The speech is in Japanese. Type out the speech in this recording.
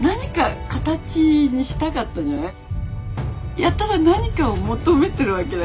やたら何かを求めてるわけだから。